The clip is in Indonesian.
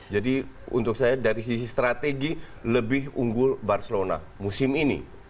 jadi untuk saya dari sisi strategi lebih unggul barcelona musim ini